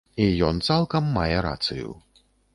І ён цалкам мае рацыю.